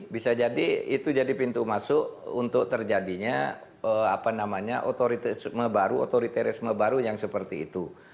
bisa jadi itu jadi pintu masuk untuk terjadinya otoritisme baru otoritarisme baru yang seperti itu